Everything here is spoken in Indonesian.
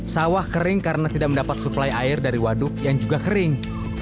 sawah kering karena tidak mendapat suplai air dari waduk yang juga kering